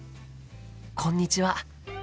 こんにちは。